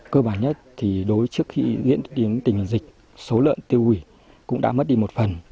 cơ bản nhất thì đối với trước khi diễn biến tình hình dịch số lợn tiêu hủy cũng đã mất đi một phần